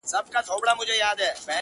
خوږ دی مرگی چا ويل د ژوند ورور نه دی~